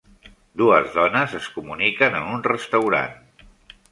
Dues dones es comuniquen en un restaurant